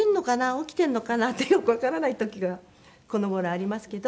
起きてるのかな？ってよくわからない時がこの頃ありますけど。